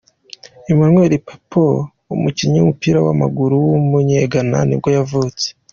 Emmanuel Pappoe, umukinnyi w’umupira w’amaguru w’umunye-Ghana nibwo yavutse.